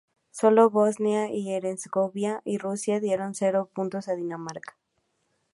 Sólo Bosnia y Herzegovina y Rusia dieron cero puntos a Dinamarca.